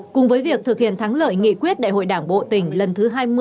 cùng với việc thực hiện thắng lợi nghị quyết đại hội đảng bộ tỉnh lần thứ hai mươi